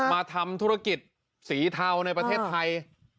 มาทำธุรกิจสีเทาในประเทศไทย